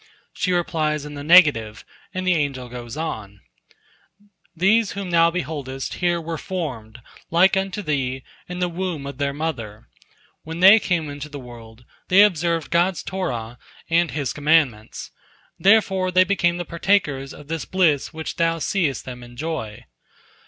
She replies in the negative, and the angel goes on: "These whom thou beholdest here were formed, like unto thee, in the womb of their mother. When they came into the world, they observed God's Torah and His commandments. Therefore they became the partakers of this bliss which thou seest them enjoy.